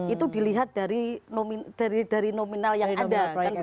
itu dilihat dari nominal yang ada